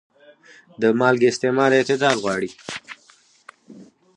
د مالګې استعمال اعتدال غواړي.